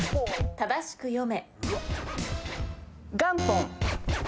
正しく読め。